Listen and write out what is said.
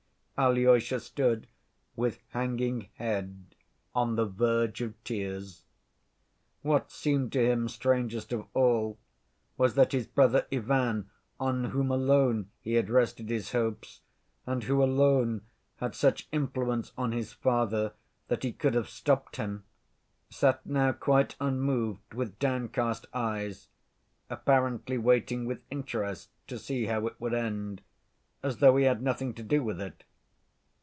Alyosha stood, with hanging head, on the verge of tears. What seemed to him strangest of all was that his brother Ivan, on whom alone he had rested his hopes, and who alone had such influence on his father that he could have stopped him, sat now quite unmoved, with downcast eyes, apparently waiting with interest to see how it would end, as though he had nothing to do with it.